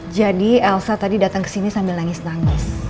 jadi elsa tadi datang ke sini sambil nangis nangis